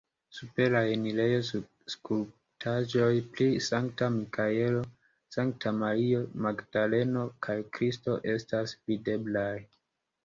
Super la enirejo skulptaĵoj pri Sankta Mikaelo, Sankta Mario Magdaleno kaj Kristo estas videblaj.